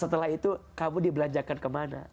setelah itu kamu dibelanjakan ke mana